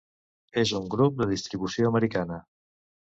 És un grup de distribució americana.